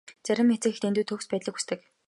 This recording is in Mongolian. Зарим эцэг эх дэндүү төгс байдлыг хүсдэг.